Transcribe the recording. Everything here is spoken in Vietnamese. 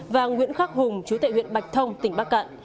và nguyễn khắc hùng chú tệ huyện bạch thông tỉnh bắc cạn